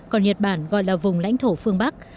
còn nhật bản gọi là vùng lãnh thổ phương bắc